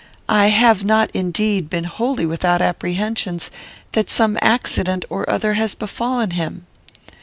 I have not, indeed, been wholly without apprehensions that some accident or other has befallen him.'